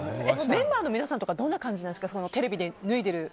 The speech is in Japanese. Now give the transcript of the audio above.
メンバーの皆さんとかどんな感じなんですか。